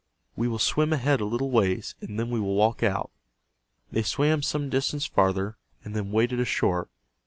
We will swim ahead a little ways, and then we will walk out." They swam some distance farther, and then waded ashore.